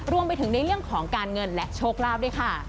รวมไปถึงในเรื่องของการเงินและโชคลาภด้วยค่ะ